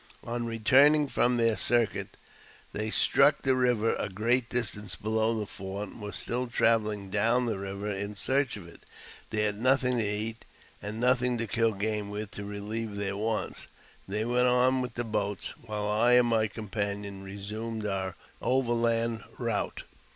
On returning from their circuit, they struck th|l river a great distance below the fort, and were still travelling down the river in search of it. They had nothing to eat, and nothing to kill game with to relieve their wants. They we: on with the boats, while I and my companion resumed o *' over land route."